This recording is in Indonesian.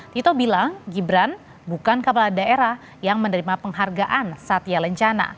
tito bilang gibran bukan kepala daerah yang menerima penghargaan satya lencana